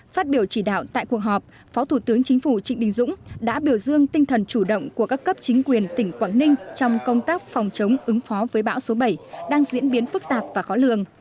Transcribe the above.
phát biểu chỉ đạo tại cuộc họp phó thủ tướng chính phủ trịnh đình dũng đã biểu dương tinh thần chủ động của các cấp chính quyền tỉnh quảng ninh trong công tác phòng chống ứng phó với bão số bảy đang diễn biến phức tạp và khó lường